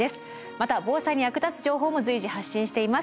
また防災に役立つ情報も随時発信しています。